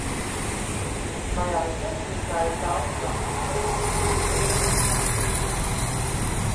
Vai aizmirsi, ka es daudz gatavoju, kad pirmoreiz satikāmies?